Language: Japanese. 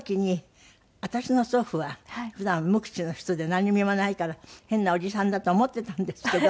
私の祖父は普段無口な人でなんにも言わないから変なおじさんだと思っていたんですけど。